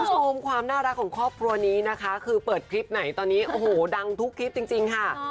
ความน่ารักของครอบครัวนี้นะคะคือเปิดคลิปไหนตอนนี้โอ้โหดังทุกคลิปจริงค่ะ